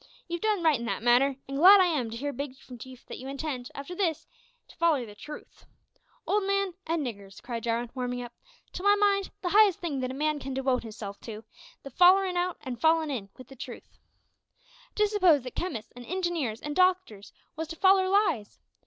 You've done right in that matter; an' glad am I to hear from Big Chief that you intend, after this, to foller the truth. Old man, an' niggers," cried Jarwin, warming up, "to my mind, the highest thing that a man can dewot his self to is, the follerin' out an' fallin' in with the truth. Just s'pose that chemists, an' ingineers, an' doctors was to foller lies!